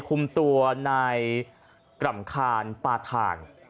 คุมตัวในกรรมคารปาธาน